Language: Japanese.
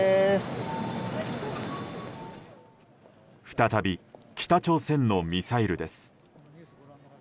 再び北朝鮮のミサイルです。